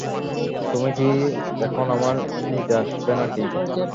তুমি কি এখন আমায় নিতে আসবে নাকি?